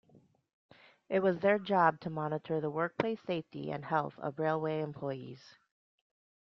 It was their job to monitor the workplace safety and health of railway employees.